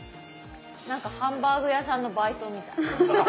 何かハンバーグ屋さんのバイトみたい。